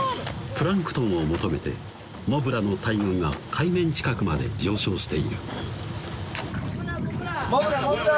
プランクトンを求めてモブラの大群が海面近くまで上昇しているモブラモブラモブラモブラ！